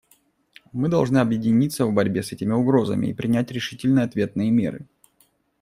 Мы должны объединиться в борьбе с этими угрозами и принять решительные ответные меры.